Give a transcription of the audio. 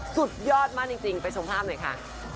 สุดยอดมากจริงไปชมภาพหน่อยค่ะ